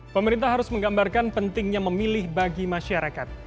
pemerintah harus menggambarkan pentingnya memilih bagi masyarakat